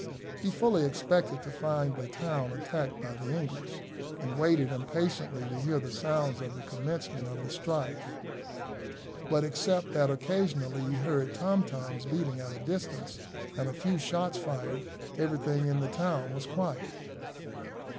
He fully expected to find the town attacked by the English, and waited impatiently to hear the sounds of the commencement of the strife; but, except that occasionally he heard tom toms beating at a distance, and a few shots fired, everything in the town was quiet.